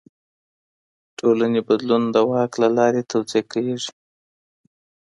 ټولني بدلون د واک له لاري توضيح کيږي.